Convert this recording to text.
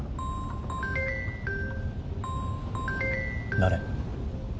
誰？